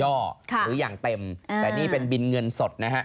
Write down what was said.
หรืออย่างเต็มแต่นี่เป็นบินเงินสดนะฮะ